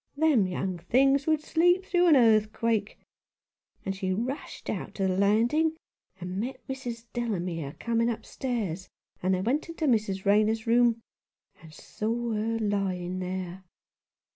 Them young things would sleep through an earthquake. And she rushed out to the landing, and met Mrs. Delamere coming upstairs ; and they went into Mrs. Rayner's room, and saw her lying there.